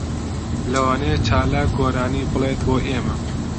لەوانەیە چالاک گۆرانی بڵێت بۆ ئێمە.